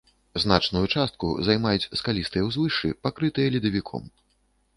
Значную частку займаюць скалістыя ўзвышшы, пакрытыя ледавіком.